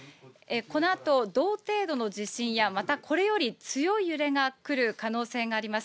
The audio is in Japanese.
このあと、同程度の地震や、またこれより強い揺れが来る可能性があります。